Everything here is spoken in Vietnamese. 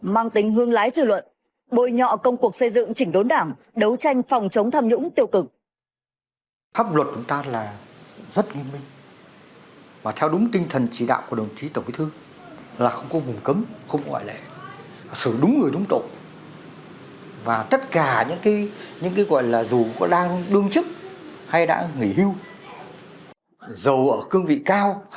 mang tính hương lái dự luận bôi nhọ công cuộc xây dựng chỉnh đốn đảng đấu tranh phòng chống tham nhũng tiêu cực